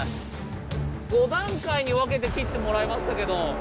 ５段階に分けて切ってもらいましたけど。